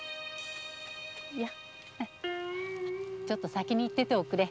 ちょっと先に行ってておくれ。